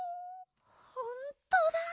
ほんとだ。